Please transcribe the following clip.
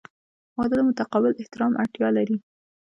• واده د متقابل احترام اړتیا لري.